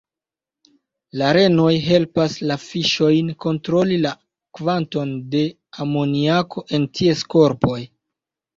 La renoj helpas la fiŝojn kontroli la kvanton de amoniako en ties korpoj.